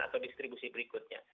atau distribusi berikutnya